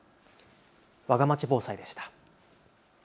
わがまち防災でした。